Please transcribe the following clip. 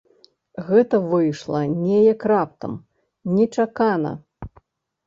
Гэта выйшла неяк раптам, нечакана.